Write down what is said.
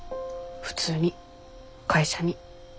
普通に会社に。